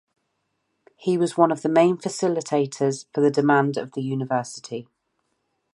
He was one of the main facilitators for the demand of the university.